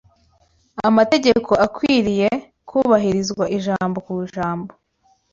amategeko akwiriye kubahirizwa ijambo ku ijambo